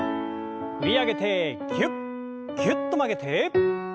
振り上げてぎゅっぎゅっと曲げて。